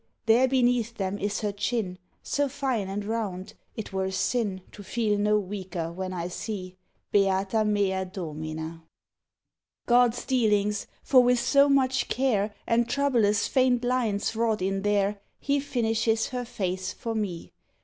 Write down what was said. there beneath them is her chin, So fine and round, it were a sin To feel no weaker when I see Beata mea Domina! God's dealings; for with so much care And troublous, faint lines wrought in there, He finishes her face for me.